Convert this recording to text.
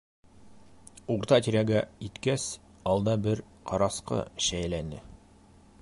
Урта тирәгә еткәс, алда бер ҡарасҡы шәйләне.